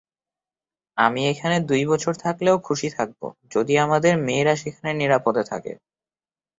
আমি এখানে দুই বছর থাকলেও খুশী থাকব, যদি আমাদের মেয়েরা সেখানে নিরাপদে থাকে।